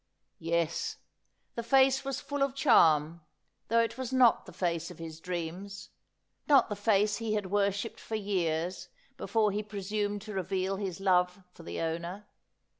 Yes ; the face was full of charm, though it was not the face of his dreams — not the face he had worshipped for years before he presumed to reveal his love for the owner.